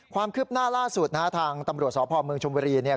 ความคืบหน้าล่าสุดนะฮะทางตำรวจสพเมืองชมบุรีเนี่ย